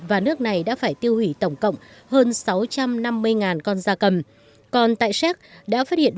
và nước này đã phải tiêu hủy tổng cộng hơn sáu trăm năm mươi con da cầm còn tại séc đã phát hiện